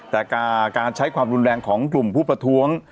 แต่การใช้ความรุนแรงของกลุ่มผู้ประท้วง